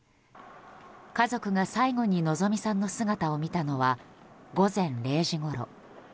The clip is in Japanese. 家族が最後に希美さんの姿を見たのは、午前０時ごろ。